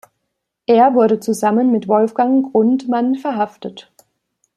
Er wurde zusammen mit Wolfgang Grundmann verhaftet.